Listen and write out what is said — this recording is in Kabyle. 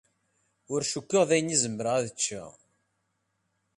Ur cukkeɣ d ayen i zemreɣ ad ččeɣ.